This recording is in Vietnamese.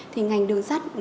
thì ngành đường sát